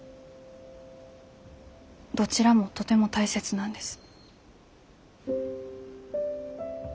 どちらもとても大切なんです。